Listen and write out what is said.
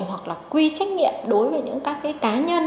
hoặc là quy trách nhiệm đối với những các cái cá nhân